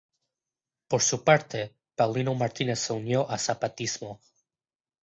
Por su parte, Paulino Martínez se unió al zapatismo.